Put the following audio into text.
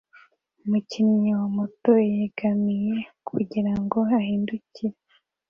Umukinnyi wa moto yegamiye kugirango ahindukire